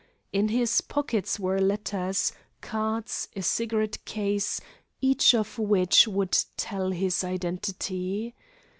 In his pockets were letters, cards, a cigarette case, each of which would tell his identity.